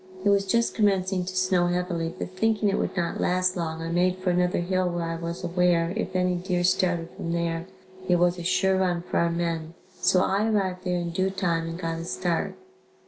It was just commencing to snow heavily but thinking it would not last long, I made for another hill where I was aware, if any deer started from there it was a sure run for our men, so I arrived there in due time and got a start.